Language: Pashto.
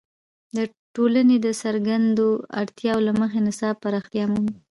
د ټولنې د څرګندو اړتیاوو له مخې نصاب پراختیا مومي.